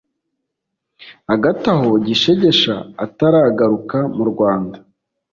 hagati aho, gishegesha ataragaruka mu rwanda